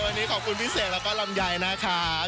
วันนี้ขอบคุณพี่เศษและป๊อร์รำยายนะครับ